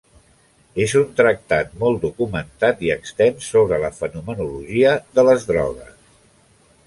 És un tractat molt documentat i extens sobre la fenomenologia de les drogues.